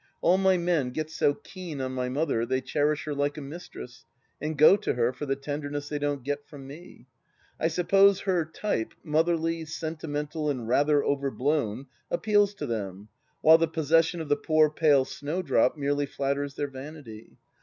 All my men get so keen on my mother, they cherish her like a mistress and go to her for the tenderness they don't get from me. I suppose her type, motherly, sentimental, and rather overblown, appeals to them, while the possession of the poor pale snowdrop merely flatters their vanity.